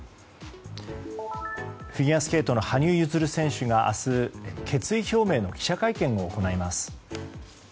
フィギュアスケートの羽生結弦選手が明日、決意表明の記者会見を行います。